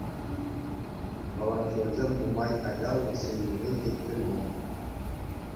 Волонтерсем нумай ачаллӑ ҫемьене кӗттермен.